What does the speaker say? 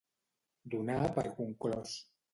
Donar per conclòs.